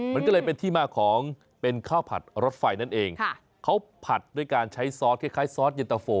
มันก็เลยเป็นที่มาของเป็นข้าวผัดรถไฟนั่นเองเขาผัดด้วยการใช้ซอสคล้ายซอสเย็นตะโฟ